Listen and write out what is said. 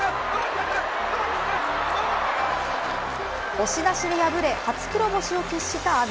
押し出しで敗れ初黒星を喫した阿炎。